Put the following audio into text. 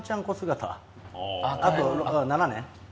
あと７年。